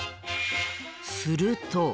すると。